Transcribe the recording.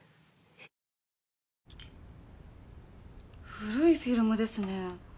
古いフィルムですね。